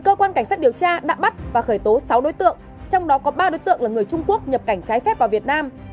cơ quan cảnh sát điều tra đã bắt và khởi tố sáu đối tượng trong đó có ba đối tượng là người trung quốc nhập cảnh trái phép vào việt nam